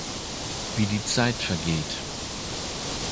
Wie die Zeit vergeht.